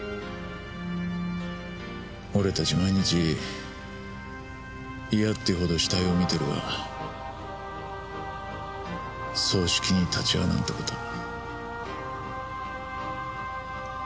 俺たち毎日嫌っていうほど死体を見てるが葬式に立ち会うなんて事めったにないな。